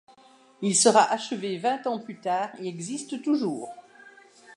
Il sera achevé vingt ans plus tard et existe toujours.